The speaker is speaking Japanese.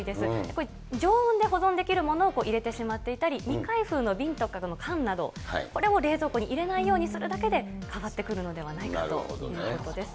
これ、常温で保存できるものを入れてしまっていたり、未開封の瓶とか缶など、これを冷蔵庫に入れないようにするだけで変わってくるのではないかということです。